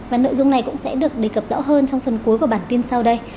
và nội dung này cũng sẽ được đề cập rõ hơn trong phần cuối của bản tin sau đây